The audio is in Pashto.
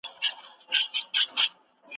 ورځ به له سره نیسو تېر به تاریخونه سوځو